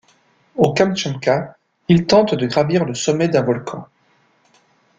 Au Kamtchatka, il tente de gravir le sommet d’un volcan.